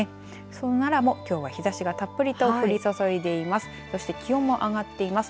その奈良もきょうは日ざしがたっぷりと降り注いでいます。